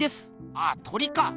ああ鳥か。